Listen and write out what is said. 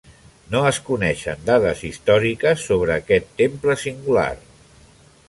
No es coneixen dades històriques sobre aquest temple singular.